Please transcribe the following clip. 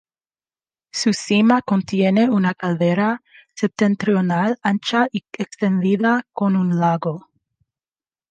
Su cima contiene una caldera septentrional ancha y extendida con un lago.